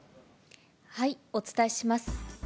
お伝えします。